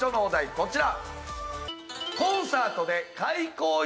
こちら。